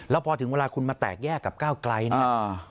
แล้วพอถึงเวลาคุณมาแตกแยกกับก้าวไกลเนี่ย